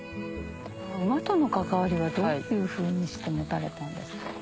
馬との関わりはどういうふうにして持たれたんですか？